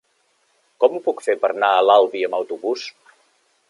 Com ho puc fer per anar a l'Albi amb autobús?